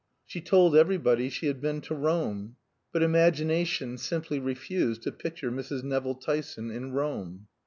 She told everybody she had been to Rome; but imagination simply, refused to picture Mrs. Nevill Tyson in Rome.